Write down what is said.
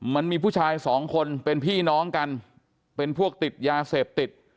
มันมีผู้ชายสองคนเป็นพี่น้องกันเป็นพวกติดยาเสพติด